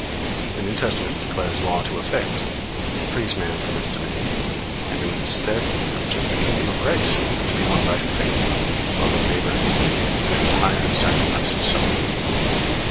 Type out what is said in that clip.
The New Testament declares Law to have failed, frees man from its dominion, and in its stead preaches the kingdom of grace, to be won by faith, love of neighbor and entire sacrifice of self.